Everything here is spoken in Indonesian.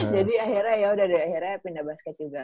jadi akhirnya yaudah deh akhirnya pindah basket juga